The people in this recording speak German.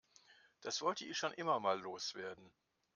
Das wollte ich schon immer mal loswerden.